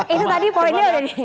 itu tadi poinnya udah nih